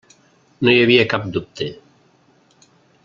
No hi havia cap dubte.